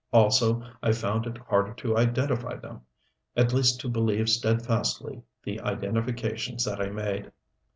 Also I found it harder to identify them at least to believe steadfastly the identifications that I made.